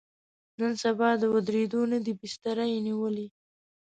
نن سبا د ودرېدو نه دی، بستره یې نیولې.